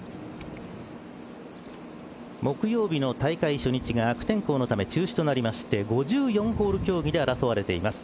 木曜日の大会初日が悪天候のため中止となりまして５４ホール競技で争われています。